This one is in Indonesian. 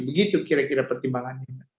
begitu kira kira pertimbangan ini